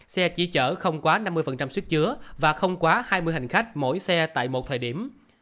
xe chỉ chở không quá năm mươi sức chứa và không quá hai mươi hành khách mỗi xe tại một thời điểm